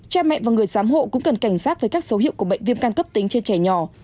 cha mẹ và người giám hộ cũng cần cảnh giác với các số hiệu của bệnh viêm căn cấp tính trên trẻ nhỏ